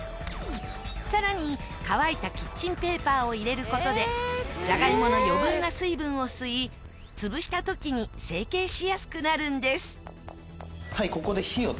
更に乾いたキッチンペーパーを入れる事でじゃがいもの余分な水分を吸い潰した時に成形しやすくなるんです。